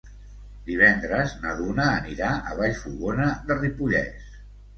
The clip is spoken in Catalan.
Divendres na Duna anirà a Vallfogona de Ripollès.